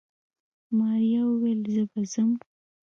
ماريا وويل زه به ځم.